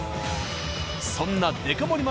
そんなデカ盛り